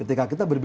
ketika kita berdiri